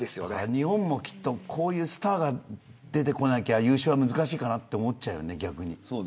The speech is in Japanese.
日本にもこういうスターが出てこないと優勝が難しいかなと思っちゃうよね。